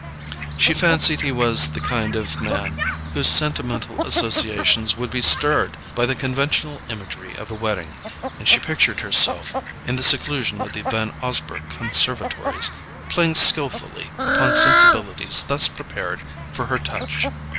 She fancied he was the kind of man whose sentimental associations would be stirred by the conventional imagery of a wedding, and she pictured herself, in the seclusion of the Van Osburgh conservatories, playing skillfully upon sensibilities thus prepared for her touch.